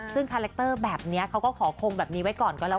ซึ่งคาแรคเตอร์แบบนี้เขาก็ขอคงแบบนี้ไว้ก่อนก็แล้ว